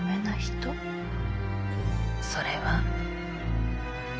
それは。